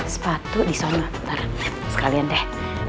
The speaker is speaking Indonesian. sepatu di sana sekalian deh